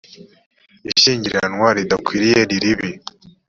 ishyingiranwa ridakwiriye niribi.